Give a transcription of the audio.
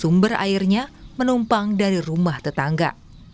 sumber airnya menumpang dari rumah tetangga